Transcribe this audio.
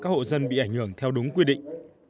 các hộ dân bị ảnh hưởng theo đúng quy định